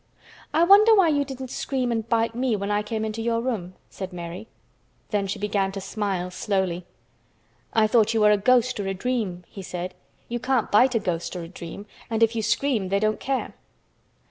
"I wonder why you didn't scream and bite me when I came into your room?" said Mary. Then she began to smile slowly. "I thought you were a ghost or a dream," he said. "You can't bite a ghost or a dream, and if you scream they don't care."